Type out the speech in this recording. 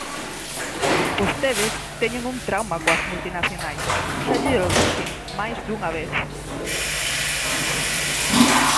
Vostedes teñen un trauma coas multinacionais, xa llelo dixen máis dunha vez.